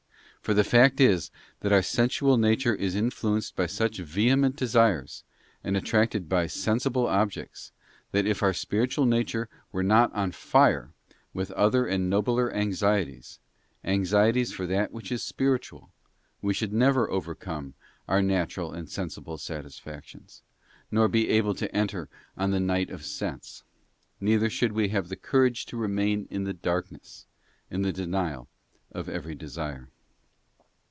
For the fact is, that our sensual nature is influenced by such vehe ment desires, and attracted by sensible objects, that if our spiritual nature were not on fire with other and nobler anxieties — anxieties for that which is spiritual — we should never overcome our natural and sensible satisfactions, nor be able to enter on the night of sense, neither should we have the courage to remain in the darkness, in the denial of every desire.